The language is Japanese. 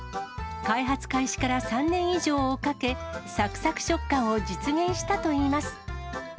開発開始から３年以上をかけ、さくさく食感を実現したといいます。